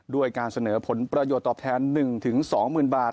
ด้วยการเสนอผลประโยชน์ตอบแทน๑๒๐๐๐บาท